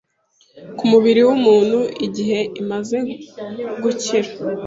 ku mubiri w’umuntu igihe imaze gukira